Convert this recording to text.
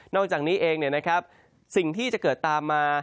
อกจากนี้เองสิ่งที่จะเกิดตามมา